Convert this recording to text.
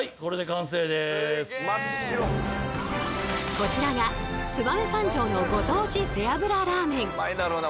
こちらが燕三条のご当地背脂ラーメン。